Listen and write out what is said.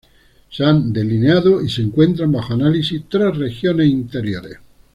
Se han delineado y se encuentran bajo análisis tres regiones interiores.